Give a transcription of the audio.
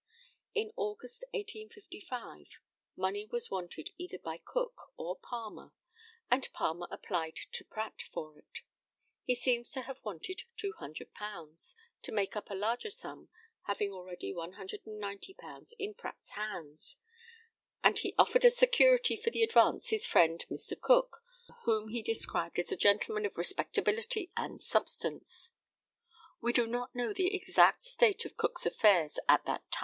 In August, 1855, money was wanted either by Cook or Palmer, and Palmer applied to Pratt for it. He seems to have wanted £200, to make up a larger sum, having already £190 in Pratt's hands; and he offered as security for the advance his friend Mr. Cook, whom he described as a gentleman of respectability and substance. We do not know the exact state of Cook's affairs at that time.